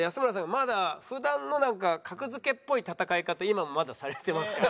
まだ普段のなんか格付けっぽい戦い方今もまだされてますから。